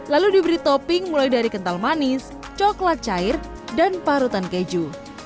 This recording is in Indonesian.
lalu diberi topping mulai dari kental manis coklat cair dan parutan keju